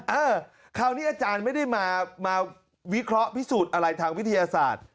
เออคราวนี้อาจารย์ไม่ได้มาวิเคราะห์พิสูจน์อะไรทางวิทยาศาสตร์